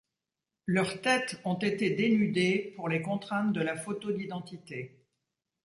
Leurs têtes ont été dénudées pour les contraintes de la photo d’identité.